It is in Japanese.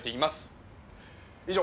以上。